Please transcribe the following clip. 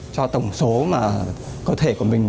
cho tổng số cơ thể của mình